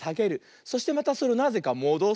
そしてまたそれをなぜかもどす。